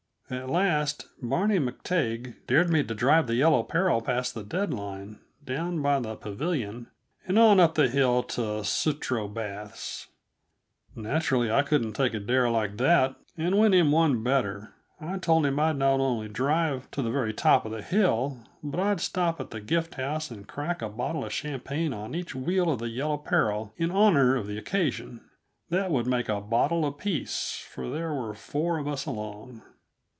At last Barney MacTague dared me to drive the Yellow Peril past the dead line down by the Pavilion and on up the hill to Sutro Baths. Naturally, I couldn't take a dare like that, and went him one better; I told him I'd not only drive to the very top of the hill, but I'd stop at the Gift House and crack a bottle of champagne on each wheel of the Yellow Peril, in honor of the occasion; that would make a bottle apiece, for there were four of us along.